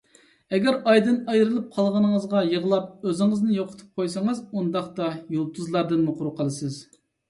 ئەگەر ئايدىن ئايرىلىپ قالغىنىڭىزغا يىغلاپ، ئۆزىڭىزنى يوقىتىپ قويسىڭىز، ئۇنداقتا يۇلتۇزلاردىنمۇ قۇرۇق قالىسىز.